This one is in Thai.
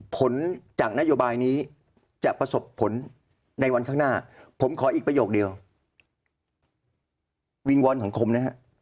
ผลจากนโยบายนี้จะประสบผลในวันข้างหน้าผมขออีกประโยคเดียววิงวอนสังคมนะฮะ